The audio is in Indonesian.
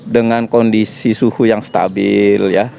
dengan kondisi suhu yang stabil